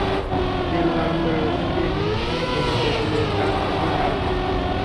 তেল গরম করে রসুন দিয়ে মিনিট খানেক ভেজে তেঁতুলের ক্বাথ দিয়ে নাড়ুন।